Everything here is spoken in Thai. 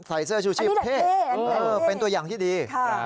ใส่เสื้อชูชีพเท่เป็นตัวอย่างที่ดี